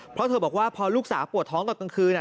เพราะเธอบอกว่าพอลูกสาวปวดท้องตอนกลางคืน